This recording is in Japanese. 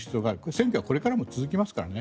選挙はこれからも続きますからね。